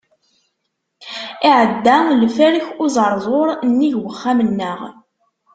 Iɛedda lferk uẓerzur nnig uxxam-nneɣ.